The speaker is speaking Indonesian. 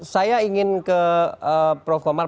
saya ingin ke prof komar